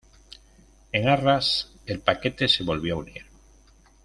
En Arras, el paquete se volvió a unir.